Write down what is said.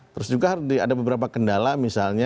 terus juga ada beberapa kendala misalnya